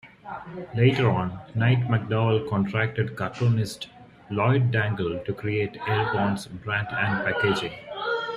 Later on, Knight-McDowell contracted cartoonist Lloyd Dangle to create Airborne's brand and packaging.